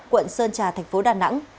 quận sơn trà tp đà nẵng